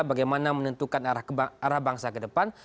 bagaimana menentukan arah bangsa ke depan